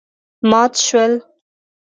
مات شول.